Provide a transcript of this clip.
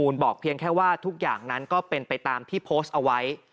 บอกเพียงแค่ว่าทุกอย่างนั้นก็เป็นไปตามที่โพสต์เอาไว้